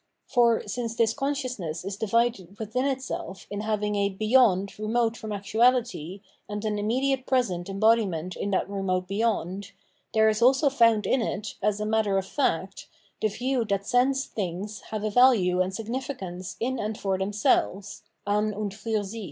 For, since this conscious ness is divided within itself in having a 'beyond' remote from actuahty and an immediate present embodiment of that remote beyond, there is also found in it, as a matter of fact, the view that sense tMngs have a value and significance in and for themselves {an und fiir sich).